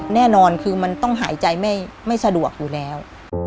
แน่นอนคือมันต้องหายใจไม่สะดวกอยู่แล้ว